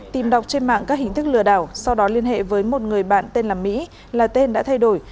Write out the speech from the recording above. tìm đọc trên mạng các hình thức lừa đảo sau đó liên hệ với một người bạn tên là mỹ là tên đã thay đổi